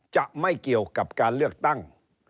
จะไม่เกี่ยวกับการเลือกตั้ง